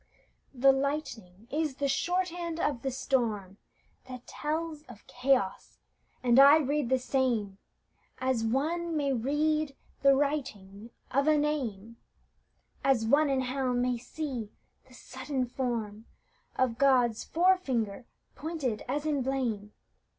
The lightning is the shorthand of the storm That tells of chaos; and I read the same As one may read the writing of a name, As one in Hell may see the sudden form Of God's fore finger pointed as in blame.